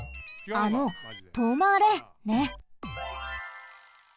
あの「とまれ」ね。